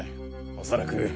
恐らく。